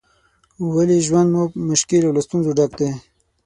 ولې ژوند مو مشکل او له ستونزو ډک دی؟